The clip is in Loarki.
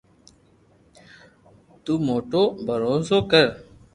تو موتو ڀروسو ڪر